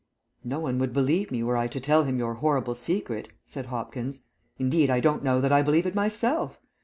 "No one would believe me were I to tell him your horrible secret," said Hopkins. "Indeed, I don't know that I believe it myself.